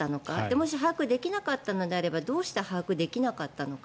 もし把握できなかったのであればどうして把握できなかったのか。